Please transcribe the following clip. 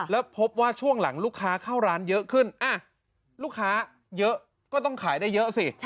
แล้วพบว่าช่วงหลังลูกค้าเข้าร้านเยอะขึ้นลูกค้าเยอะก็ต้องขายได้เยอะสิ